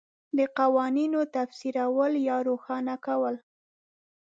د قوانینو تفسیرول یا روښانه کول